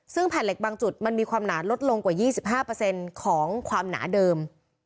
ซึ่งแผ่นเหล็กบางจุดมันมีความหนาลดลงกว่า๒๕ของความหนาเดิม